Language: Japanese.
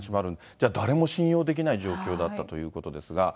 じゃ、誰も信用できない状況だったということですが。